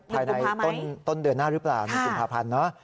ภายในต้นเดือนหน้าหรือเปล่าในกุมภาพันธ์เนอะ